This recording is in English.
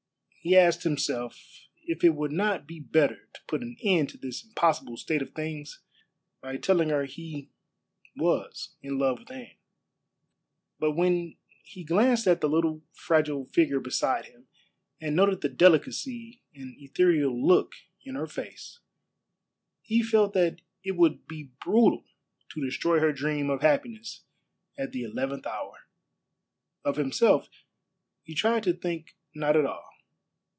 He asked himself if it would not be better to put an end to this impossible state of things by telling her he was in love with Anne. But when he glanced at the little fragile figure beside him, and noted the delicacy and ethereal look in her face, he felt that it would be brutal to destroy her dream of happiness at the eleventh hour. Of himself he tried to think not at all.